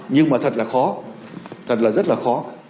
nhưng mà thật là khó thật là rất là khó